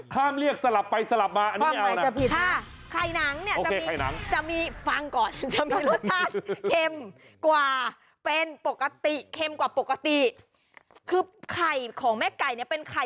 ห้ามเรียกสลับไปสลับมาอันนี้ไม่เอานะความหมายจะผิดนะ